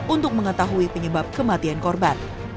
untuk mengetahui penyebab kematian korban